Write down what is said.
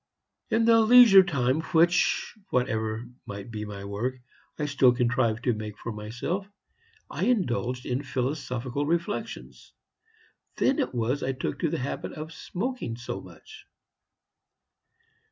"In the leisure time which, whatever might be my work, I still contrived to make for myself, I indulged in philosophical reflections. Then it was I took to the habit of smoking so much."